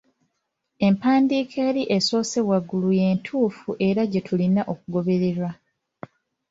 Empandiika eri esoose waggulu y’entuufu era gye tulina okugoberera.